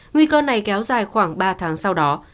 nguy cơ này kéo dài khoảng ba tháng sau đó